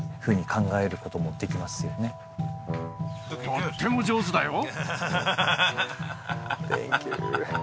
とっても上手だよ